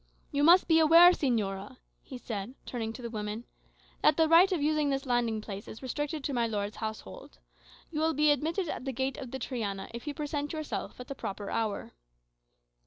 "You must be aware, señora," he said, turning to the woman, "that the right of using this landing place is restricted to my lord's household. You will be admitted at the gate of the Triana, if you present yourself at a proper hour."